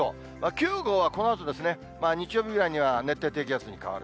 ９号はこのあと、日曜日ぐらいには熱帯低気圧に変わる。